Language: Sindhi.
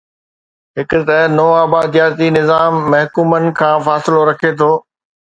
هڪ ته نوآبادياتي نظام محکومن کان فاصلو رکي ٿو.